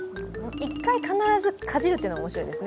１回、必ずかじるっていうのが面白いですね。